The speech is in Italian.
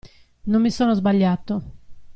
Non mi sono sbagliato.